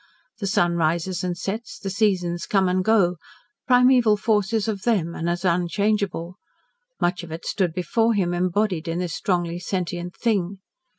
The sun rises and sets, the seasons come and go, Primeval Force is of them, and as unchangeable. Much of it stood before him embodied in this strongly sentient thing.